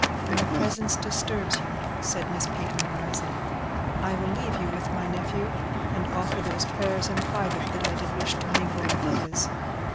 "My presence disturbs you," said Miss Peyton, rising. "I will leave you with my nephew, and offer those prayers in private that I did wish to mingle with his."